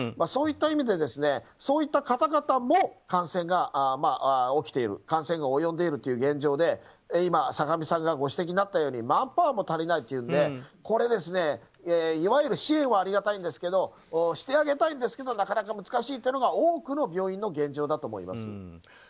そういった意味でそういった方々も感染が起きている感染が及んでいる現状で今、坂上さんがご指摘になったようにマンパワーも足りないというのでいわゆる支援はありがたいんですけどしてあげたいんですけどなかなか難しいというのが多くの病院の現状だと思います。